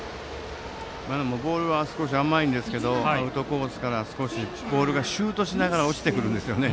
ボールは少し甘いですがアウトコースからボールがシュートしながら落ちてくるんですよね。